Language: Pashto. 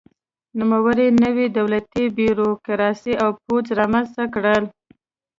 نوموړي نوې دولتي بیروکراسي او پوځ رامنځته کړل.